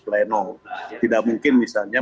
pleno tidak mungkin misalnya